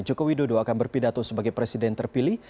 jokowi dodo akan berpidato sebagai presiden terpilih